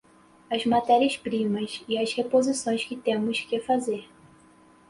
as matérias-primas e as reposições que temos que fazer